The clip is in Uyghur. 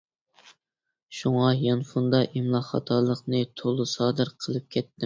شۇڭا يانفوندا ئىملا خاتالىقىنى تولا سادىر قىلىپ كەتتىم.